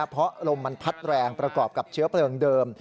เพราะลมมันพัดแรงประกอบกับเชื้อเพลิงเดิม